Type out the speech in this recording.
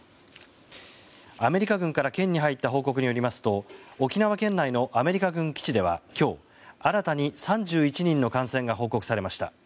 アメリカ軍から県に入った報告によりますと沖縄県のアメリカ軍基地では今日新たに３１人の感染が報告されました。